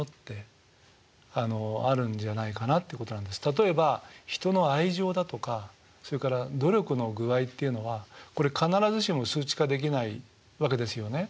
例えば人の愛情だとかそれから努力の具合っていうのはこれ必ずしも数値化できないわけですよね。